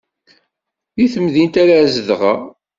Deg temdint ara zedɣeɣ.